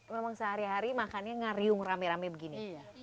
memang sehari hari makannya ngariung rame rame begini